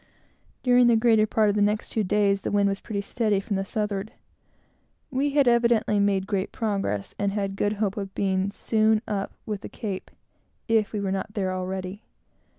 During the greater part of the next two days, the wind was pretty steady from the southward. We had evidently made great progress, and had good hope of being soon up with the Cape, if we were not there already.